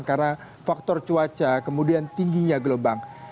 karena faktor cuaca kemudian tingginya gelombang